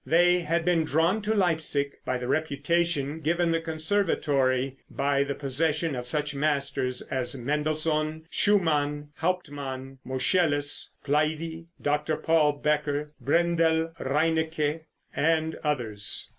They had been drawn to Leipsic by the reputation given the conservatory by the possession of such masters as Mendelssohn, Schumann, Hauptmann, Moscheles, Plaidy, Dr. Paul, Becker, Brendel, Reinecke and others.